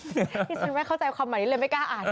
ที่ฉันไม่เข้าใจคำของคำแบบนี้เลยไม่กล้าอ่าน